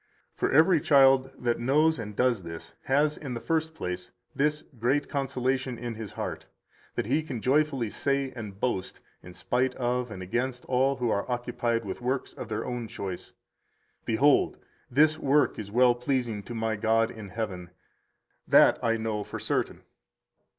For every child that knows and does this has, in the first place, this great consolation in his heart, that he can joyfully say and boast (in spite of and against all who are occupied with works of their own choice): "Behold, this work is well pleasing to my God in heaven, that I know for certain."